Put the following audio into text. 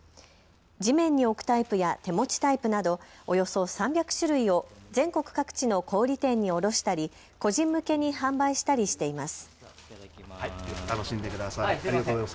地面に置くタイプや手持ちタイプなどおよそ３００種類を全国各地の小売店に卸したり個人向けに販売したりしています。